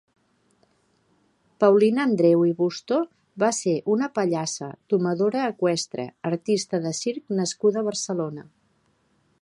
Paulina Andreu i Busto va ser una pallassa, domadora eqüestre, artista de circ nascuda a Barcelona.